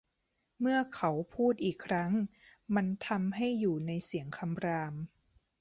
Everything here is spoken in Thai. เมื่อเขาพูดอีกครั้ง มันทำให้อยู่ในเสียงคำราม